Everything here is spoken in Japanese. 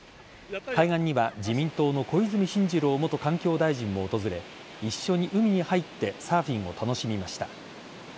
海岸には自民党の小泉進次郎元環境大臣も訪れ一緒に海に入ってサーフィンを楽しみました。